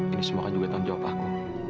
ini semoga juga tanggung jawab aku